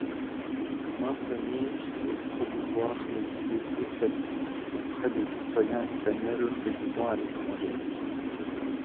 Maintenir et promouvoir les idées socialistes auprès des citoyens espagnols résidant à l'étranger.